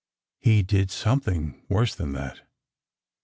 He did something worse than that.